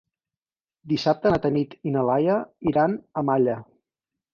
Dissabte na Tanit i na Laia iran a Malla.